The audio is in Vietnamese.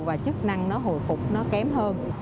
và chức năng nó hồi phục nó kém hơn